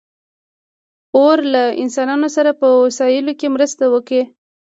اور له انسانانو سره په وسایلو کې مرسته وکړه.